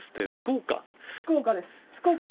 福岡です。